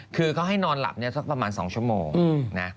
คือเขาให้นอนหลับเนี่ยสักประมาณ๒ชั่วโมงนะ